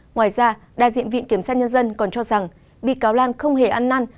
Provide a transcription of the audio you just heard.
ngoài ra đại diện viện kiểm sát nhân dân còn cho rằng bị cáo lan không hề ăn năn